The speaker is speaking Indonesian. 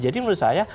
jadi menurut saya